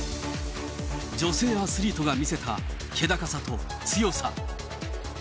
女性アスリートが見せた、気高さと強さ。